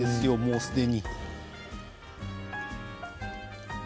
すでに。